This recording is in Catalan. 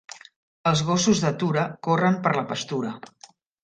Els gossos d'atura corren per la pastura.